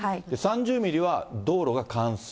３０ミリは道路が冠水。